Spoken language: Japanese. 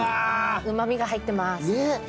うまみが入ってます。